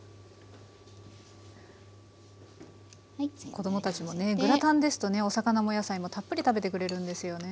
子供たちもねグラタンですとねお魚もお野菜もたっぷり食べてくれるんですよね。